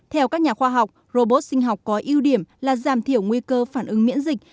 theo các nhà khoa học robot sinh học có ưu điểm là giảm thiểu nguy cơ phản ứng miễn dịch